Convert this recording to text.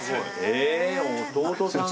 へえ弟さん。